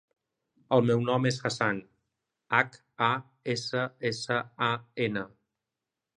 El meu nom és Hassan: hac, a, essa, essa, a, ena.